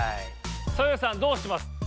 ソヨさんどうします？